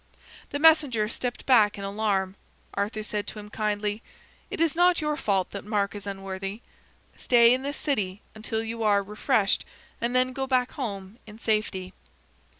The messenger stepped back in alarm. Arthur said to him kindly: "It is not your fault that Mark is unworthy. Stay in this city until you are refreshed and then go back home in safety."